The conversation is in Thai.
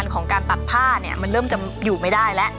วงการตัดผ้าเนี่ยเริ่มจะอยู่ไม่ได้ล่ะ